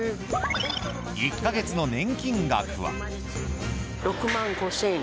１か月の年金額は。